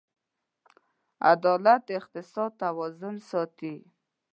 عدالت د اقتصاد توازن ساتي.